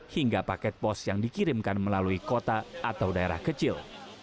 hingga paket pos yang dikirimkan melalui kota atau daerah kecil